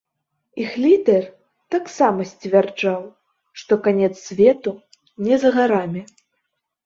Іх лідэр таксама сцвярджаў, што канец свету не за гарамі.